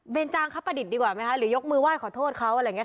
เป็นจางครับประดิษฐ์ดีกว่าไหมคะหรือยกมือไหว้ขอโทษเขาอะไรอย่างนี้